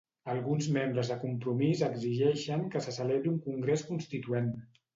Alguns membres de Compromís exigeixen que se celebri un congrés constituent.